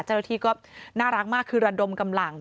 เจ้าหน้าที่ก็น่ารักมากคือระดมกำลัง